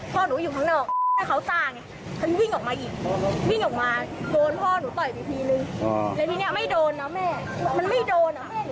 พันธุ์อีกทีนึงโดนพ่อหนูก็ตกแตกโดนข้างในแน่